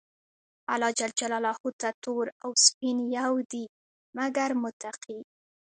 الله ج ته تور او سپين يو دي، مګر متقي.